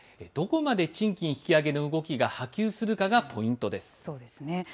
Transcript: どこまで賃金引き上げの動きが波及するかがポイントです。